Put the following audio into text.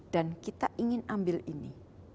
dan kita ingin ambil ini